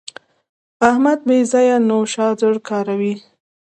احمد بې ځایه نوشادر کاروي.